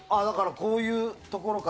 こういうところか。